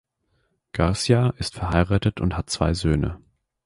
Garcia ist verheiratet und hat zwei Söhne.